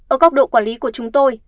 ở góc độ quản lý của chúng tôi